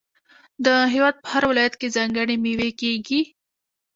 د هیواد په هر ولایت کې ځانګړې میوې کیږي.